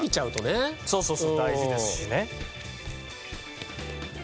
そうそうそう大事ですしね。